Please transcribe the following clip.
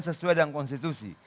sesuai dengan konstitusi